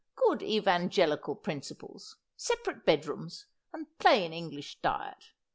Good evangelical principles, separate bed rooms, and plain English diet.